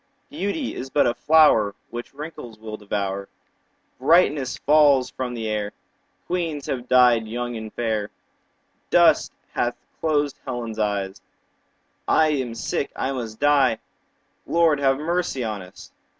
Beauty is but a flower 15 Which wrinkles will devour; Brightness falls from the air; Queens have died young and fair; Dust hath closed Helen's eye; I am sick, I must die— 20 Lord, have mercy on us!